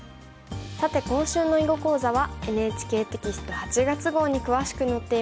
さて今週の囲碁講座はＮＨＫテキスト８月号に詳しく載っています。